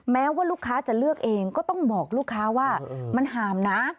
แม้ว่าลูกค้าจะเลือกเองก็ต้องบอกลูกค้าว่ามันหามนะ